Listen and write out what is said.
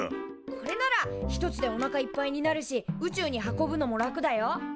これなら１つでおなかいっぱいになるし宇宙に運ぶのも楽だよ。